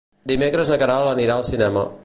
Dimecres na Queralt anirà al cinema.